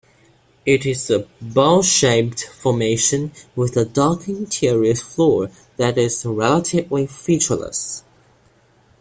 It is a bowl-shaped formation with a darker interior floor that is relatively featureless.